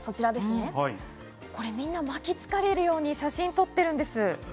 みんな巻きつかれるように写真を撮っているんです。